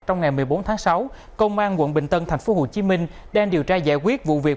trong ngày một mươi bốn tháng sáu công an quận bình tân tp hcm đang điều tra giải quyết vụ việc